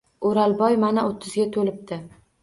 O’rolboy mana, o‘ttizga to‘libdi.